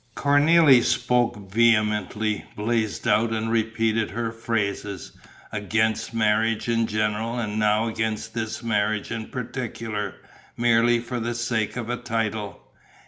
Cornélie spoke vehemently, blazed out and repeated her phrases: against marriage in general and now against this marriage in particular, merely for the sake of a title.